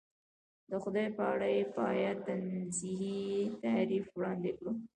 د خدای په اړه بې پایه تنزیهي تعریف وړاندې کړو.